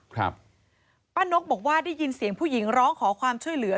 ป้านกบอกว่าได้ยินเสียงผู้หญิงร้องขอความช่วยเหลือ